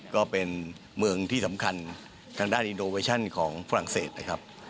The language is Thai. ก็เป็นเมืองที่สำคัญทางด้านอินโดเวชั่นของฝรั่งเศสนะครับ